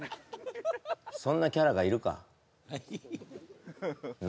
そんなキャラがいるかな